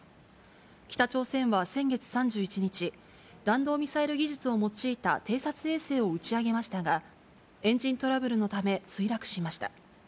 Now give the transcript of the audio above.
北朝鮮は先月３１日、弾道ミサイル技術を用いた偵察衛星を打ち上げましたが、エンジントラブルのため、墜落しました。